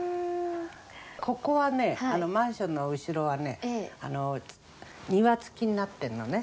ここはね、マンションの後ろはね、庭付きになってるのね。